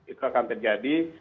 itu akan terjadi